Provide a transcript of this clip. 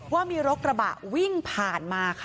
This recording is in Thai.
ว่ามีรถกระบะวิ่งผ่านมาค่ะ